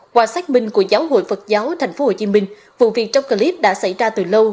qua xác minh của giáo hội phật giáo tp hcm vụ việc trong clip đã xảy ra từ lâu